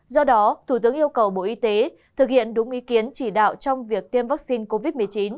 do đó thủ tướng yêu cầu bộ y tế thực hiện đúng ý kiến chỉ đạo trong việc tiêm vaccine covid một mươi chín